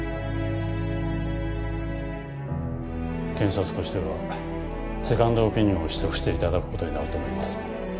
検察としてはセカンドオピニオンを取得して頂く事になると思います。